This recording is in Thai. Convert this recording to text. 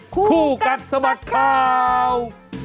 คู่กัดสมัครข่าว